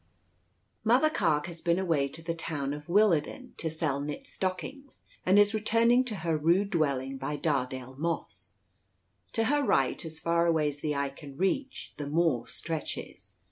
Mother Carke has been away to the town of Willarden, to sell knit stockings, and is returning to her rude dwelling by Dardale Moss. To her right, as far away as the eye can reach, the moor stretches.